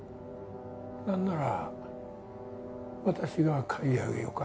なんなら私が買い上げようか？